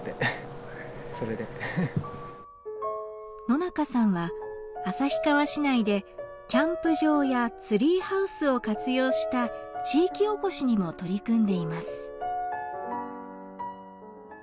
野中さんは旭川市内でキャンプ場やツリーハウスを活用した地域おこしにも取り組んでいます。